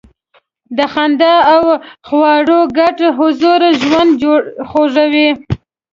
د خندا او خواړو ګډ حضور ژوند خوږوي.